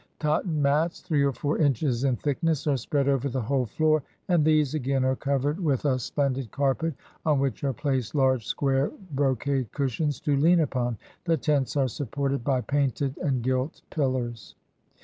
Cotton mats, three or four inches in thickness, are spread over the whole floor, and these again are covered with a 131 IXDL\ splendid carpet, on which are placed large square bro cade cushions to lean upon. The tents are supported by painted and gilt pillars.